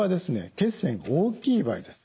血栓が大きい場合です。